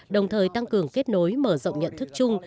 đồng thời tăng cường kết nối mở rộng nhận thức chung